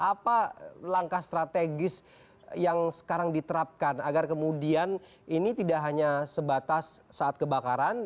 apa langkah strategis yang sekarang diterapkan agar kemudian ini tidak hanya sebatas saat kebakaran